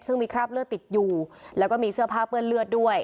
ซึ่งมีคราบเลือดติดอยู่แล้วก็มีเสื้อผ้าเปื้อนเลือดด้วย